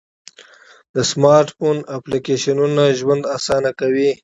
د سمارټ فون اپلیکیشنونه ژوند آسانه کوي.